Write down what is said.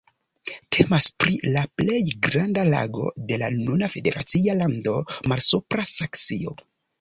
Temas pri la plej granda lago de la nuna federacia lando Malsupra Saksio.